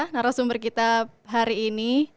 narasumber kita hari ini